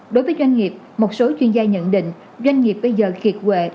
đối với doanh nghiệp một số chuyên gia nhận định doanh nghiệp bây giờ khiệt huệ